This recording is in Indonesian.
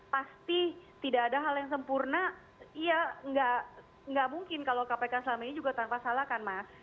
pasti tidak ada hal yang sempurna ya nggak mungkin kalau kpk selama ini juga tanpa salah kan mas